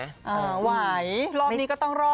เอ้อไหวรอบนี้ก็ต้องรอบ